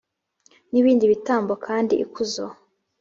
N ibindi bitambo kandi ikuzo